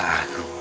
rewah hati aku